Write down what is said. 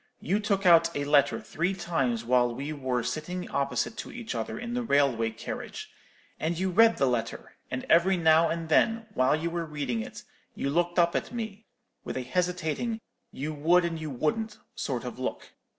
You took out a letter three times while we wore sitting opposite to each other in the railway carriage; and you read the letter; and every now and then, while you were reading it, you looked up at me with a hesitating you would and you wouldn't sort of look.